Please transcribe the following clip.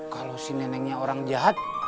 kalo si neneknya orang jahat gimana